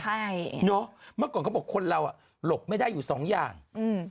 ใช่เนอะเมื่อก่อนเขาบอกคนเราอ่ะหลบไม่ได้อยู่สองอย่างอืม